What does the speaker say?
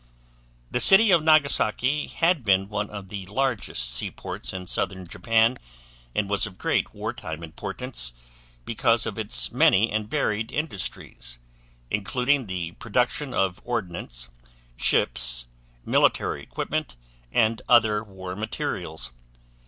The city of Nagasaki had been one of the largest sea ports in southern Japan and was of great war time importance because of its many and varied industries, including the production of ordnance, ships, military equipment, and other war materials.